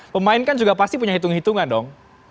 pemain kan juga pasti punya hitung hitungan dong